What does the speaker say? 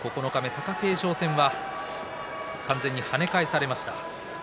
貴景勝戦は完全に跳ね返されました。